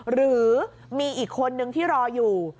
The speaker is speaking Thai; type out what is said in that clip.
หรือมีอีกคนนึงที่รออยู่